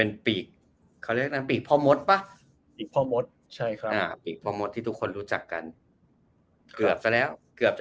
นะครับ